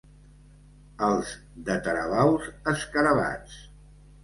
Els de Taravaus, escarabats.